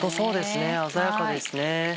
鮮やかですね。